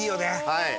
はい。